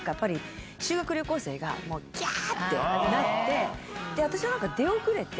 修学旅行生がギャ！ってなって。